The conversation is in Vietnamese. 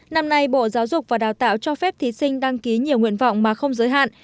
năm nay bộ giáo dục và đào tạo cho phép thí sinh đăng ký nhiều nguyện vọng mà không giới hạn